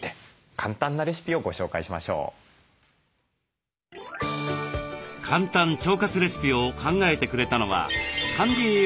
簡単腸活レシピを考えてくれたのは管理栄養士の柴田真希さんです。